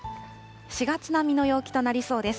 ４月並みの陽気となりそうです。